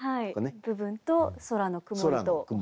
部分と空の曇りと花と。